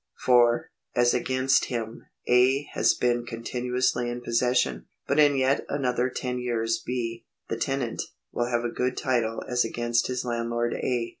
for, as against him, A. has been continuously in possession. But in yet another ten years B., the tenant, will have a good title as against his landlord A.